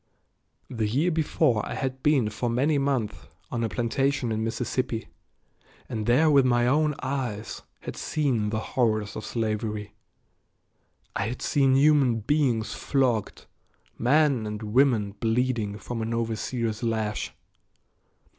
The year before I had been for many months on a plantation in Mississippi, and there with my own eyes had seen the horrors of slavery. I had seen human beings flogged; men and women bleeding from an overseer's lash.